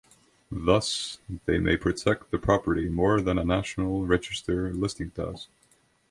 Thus, they may protect the property more than a National Register listing does.